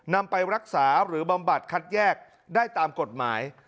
นำไปรักษาหรือบำบัดคัดแยกได้ตามกฎหมาย